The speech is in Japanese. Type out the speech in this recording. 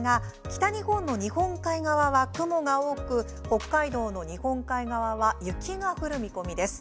北日本の日本海側は雲が多く北海道の日本海側は雪が降る見込みです。